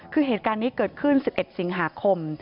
คือเหตุการณ์นี้เกิดขึ้น๑๑สิงหาคม